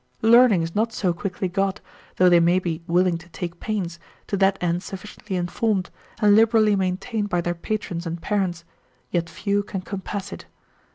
Learning is not so quickly got, though they may be willing to take pains, to that end sufficiently informed, and liberally maintained by their patrons and parents, yet few can compass it.